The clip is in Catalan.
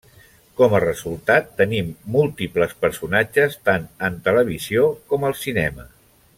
Com a resultat tenim múltiples personatges tant en televisió com al cinema.